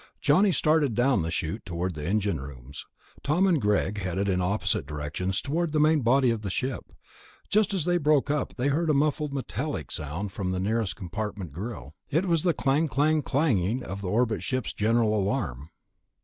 Johnny started down the chute toward the engine rooms; Tom and Greg headed in opposite directions toward the main body of the ship. Just as they broke up, they heard a muffled metallic sound from the nearest compartment grill. It was the clang clang clang of the orbit ship's general alarm.